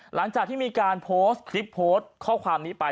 หลังจากที่มีการโพสต์คลิปโพสต์ข้อความนี้ไป